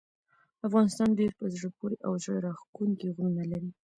افغانستان ډیر په زړه پورې او زړه راښکونکي غرونه لري.